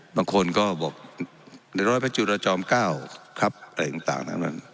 บางคนก็บอกในร้อยพระจุรจอมเก้าครับอะไรต่าง